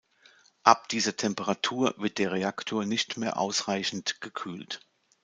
Ab dieser Temperatur wird der Reaktor nicht mehr ausreichend gekühlt.